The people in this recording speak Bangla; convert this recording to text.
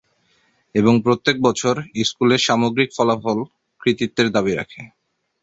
এবং প্রত্যেক বছর স্কুলের সামগ্রিক ফলাফল কৃতিত্বের দাবি রাখে।